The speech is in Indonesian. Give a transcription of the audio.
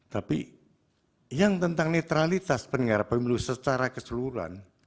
tapi yang tentang netralitas penyelenggara pemilu secara keseluruhan